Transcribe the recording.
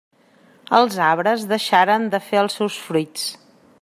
Els arbres deixaren de fer els seus fruits.